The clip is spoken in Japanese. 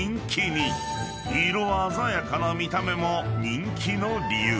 ［色鮮やかな見た目も人気の理由］